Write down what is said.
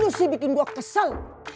lu sih bikin gue kesel